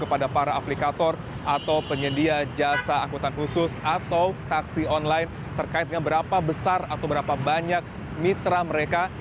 kepada para aplikator atau penyedia jasa angkutan khusus atau taksi online terkait dengan berapa besar atau berapa banyak mitra mereka